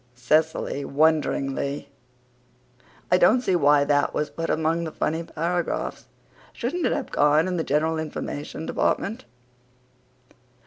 (CECILY, WONDERINGLY: "I don't see why that was put among the funny paragraphs. Shouldn't it have gone in the General Information department?")